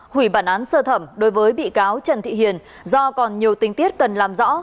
hủy bản án sơ thẩm đối với bị cáo trần thị hiền do còn nhiều tình tiết cần làm rõ